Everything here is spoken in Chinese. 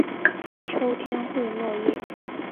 秋天会落叶。